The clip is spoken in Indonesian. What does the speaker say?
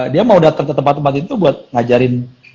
dia mau datang ke tempat tempat itu buat ngajarin